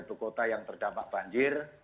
ibu kota yang terdampak banjir